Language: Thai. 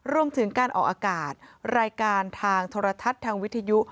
รวมถึงการออกอากาศรายการทางโทรทัศน์ทางวิทยุ